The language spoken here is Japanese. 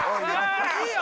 いいよ！